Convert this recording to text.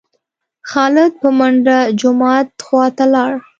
خالد په منډه جومات خوا ته لاړ.